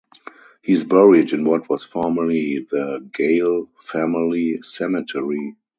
He is buried in what was formerly the Gale family cemetery.